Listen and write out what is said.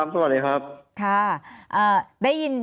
สวัสดีครับ